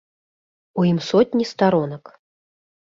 У ім сотні старонак.